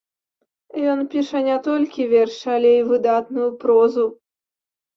Ён піша не толькі вершы, але і выдатную прозу.